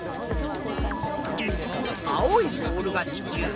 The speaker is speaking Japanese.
青いボールが地球。